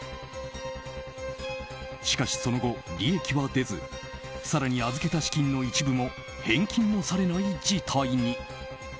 しかしその後、利益は出ず更に、預けた資金の一部も返金もされない事態に。